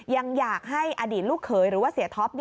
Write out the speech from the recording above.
ยังอยากให้อดีตลูกเขยหรือว่าเสียท็อป